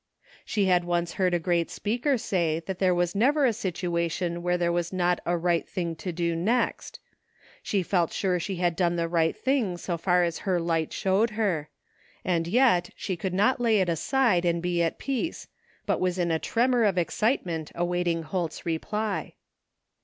She had once heard a great speaker say that there was never a situation where there was not a right thing to do next. She felt sure she had done the right thing so far as her light showed her; and yet she cx>uld not lay it aside and be at peace, but was in a tremor of ex citement awaiting Holt's reply.